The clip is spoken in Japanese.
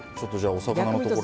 お魚のところ。